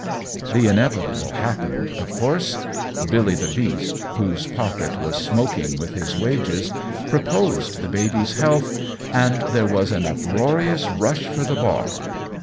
The inevitable happened, of course: Billy the Beast, whose pocket was smoking with his wages, proposed the baby's health, and there was an uproarious rush for the bar.